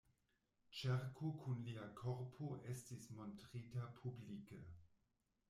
Ĉerko kun lia korpo estis montrita publike.